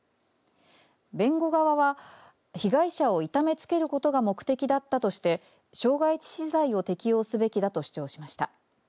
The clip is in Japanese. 弁護側は被害者を痛めつけることが目的だったとして傷害致死罪を適用すべきだと主張しました。